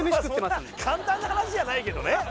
そんな簡単な話じゃないけどね。